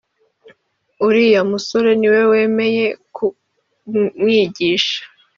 uriya musore niwe wemeye kumwigisha